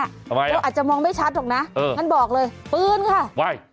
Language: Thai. ทำไมอ่ะเพราะอาจจะมองไม่ชัดหรอกนะงั้นบอกเลยปื้นค่ะว่าย